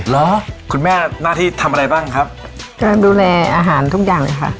เหรอคุณแม่หน้าที่ทำอะไรบ้างครับการดูแลอาหารทุกอย่างเลยค่ะ